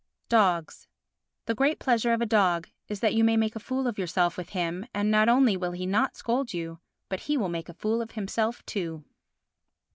Dogs The great pleasure of a dog is that you may make a fool of yourself with him and not only will he not scold you, but he will make a fool of himself too.